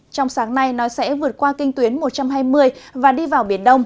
trong sáng nay nó sẽ vượt qua kinh tuyến một trăm hai mươi và đi vào biển đông